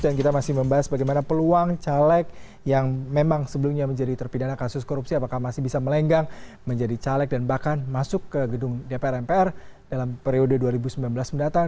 dan kita masih membahas bagaimana peluang caleg yang memang sebelumnya menjadi terpidana kasus korupsi apakah masih bisa melenggang menjadi caleg dan bahkan masuk ke gedung dpr mpr dalam periode dua ribu sembilan belas mendatang